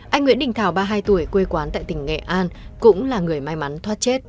anh nguyễn đình thảo ba mươi hai tuổi quê quán tại tỉnh nghệ an cũng là người may mắn thoát chết